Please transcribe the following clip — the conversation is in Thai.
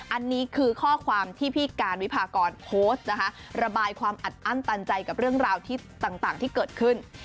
อันนี้คือข้อความที่พี่การวิพากรโพสต์นะคะระบายความอัดอั้นตันใจกับเรื่องราวที่ต่างที่เกิดขึ้น